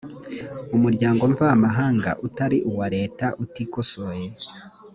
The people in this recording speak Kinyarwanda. umuryango mvamahanga utari uwa leta utikosoye